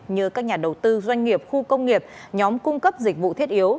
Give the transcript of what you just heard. như các nhà đầu tư doanh nghiệp khu công nghiệp nhóm cung cấp dịch vụ thiết yếu